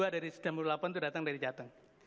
dua dari sembilan puluh delapan itu datang dari jateng